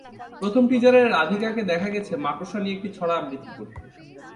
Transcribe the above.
প্রথম টিজারে রাধিকাকে দেখা গেছে মাকড়সা নিয়ে একটি ছড়া আবৃত্তি করতে।